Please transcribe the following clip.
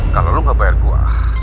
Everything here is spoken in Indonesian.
kalau lu gak bayar gue